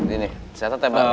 ini saya tetepan